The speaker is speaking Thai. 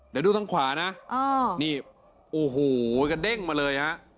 เดี๋ยวดูทางขวานะนี่โอ้โหกระเด้งมาเลยฮะ